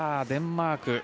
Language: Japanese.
デンマーク